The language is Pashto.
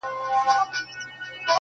• زه د ساقي تر احترامه پوري پاته نه سوم.